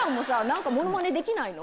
何かものまねできないの？